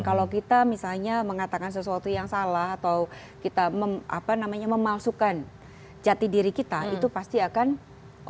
kalau kita misalnya mengatakan sesuatu yang salah atau kita memalsukan jati diri kita itu pasti akan